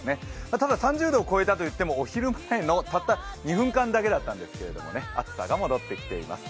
ただ３０度を超えたといっても、お昼前のたった２分間だけだったんですけどね、暑さが戻ってきています。